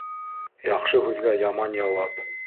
Яҡшы һүҙгә яман яуап.